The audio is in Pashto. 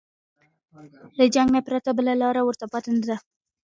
له جنګ نه پرته بله لاره ورته پاتې نه ده.